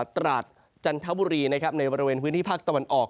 ตราดจันทบุรีนะครับในบริเวณพื้นที่ภาคตะวันออก